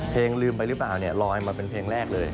เพลงลืมไปหรือเปล่าลอยมาเป็นเพลงแรกเลย